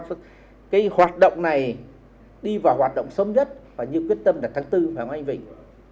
cái hoạt động này đi vào hoạt động sớm nhất và như quyết tâm là tháng bốn phải không anh vịnh